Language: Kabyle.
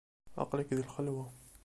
Aql-ak di lxelwa.